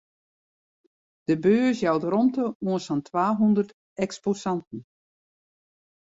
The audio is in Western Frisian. De beurs jout romte oan sa'n twahûndert eksposanten.